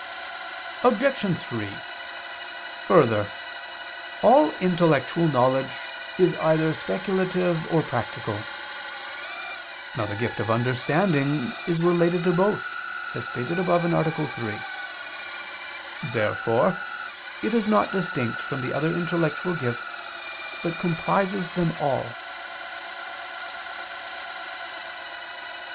Obj. 3: Further, all intellectual knowledge is either speculative or practical. Now the gift of understanding is related to both, as stated above (A. 3). Therefore it is not distinct from the other intellectual gifts, but comprises them all.